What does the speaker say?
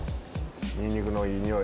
ニンニクのいいにおい。